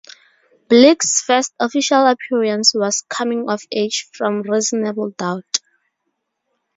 Bleek's first official appearance was "Coming of Age" from "Reasonable Doubt".